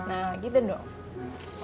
nah gitu dong